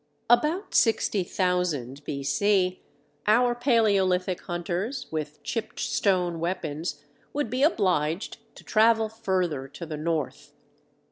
About 60,000 B.C., our paleolithic hunters with chipped stone weapons would be obliged to travel further to the north.